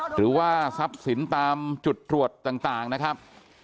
หรือว่าทรัพย์สินตามจุดตรวจต่างนะครับ